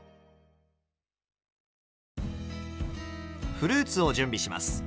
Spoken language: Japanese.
フルーツを準備します。